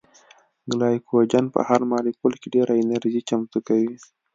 ګلایکوجن په هر مالیکول کې ډېره انرژي چمتو کوي